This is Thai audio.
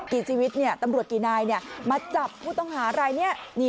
กี่ชีวิตตำรวจกี่นายมาจับผู้ต้องหารายนี้